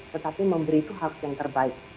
tetapi memberi itu hak yang terbaik